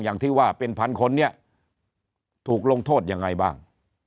อย่างที่ว่าเป็นพันคนเนี่ยถูกลงโทษยังไงบ้าง